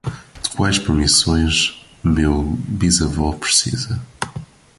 De quais permissões meu bisavô precisa?